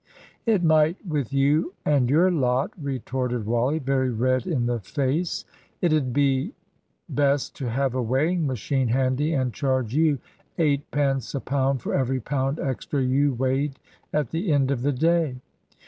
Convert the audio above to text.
"It might with you and your lot," retorted Wally, very red in the face. "It'd be best to have a weighing machine handy and charge you 8 pence a pound for every pound extra you weighed at the end of the day!"